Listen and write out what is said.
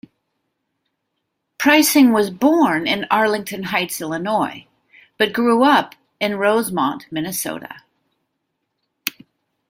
Preissing was born in Arlington Heights, Illinois, but grew up in Rosemount, Minnesota.